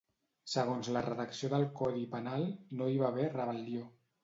Segons la redacció del codi penal no hi va haver rebel·lió.